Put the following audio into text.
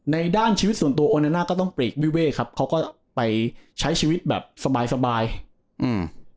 ในด้านชีวิตส่วนตัวโอเนน่าก็ต้องปลีกวิเวกครับเขาก็ไปใช้ชีวิตแบบสบายสบายอืม